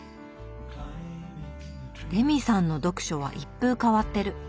レミさんの読書は一風変わってる。